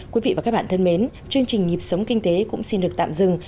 quý vị và các bạn thân mến chương trình nhịp sống kinh tế cũng xin được tạm dừng